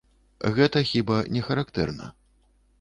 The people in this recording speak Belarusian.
Гэта хіба не характэрна.